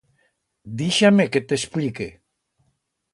Dixa-me que t'expllique.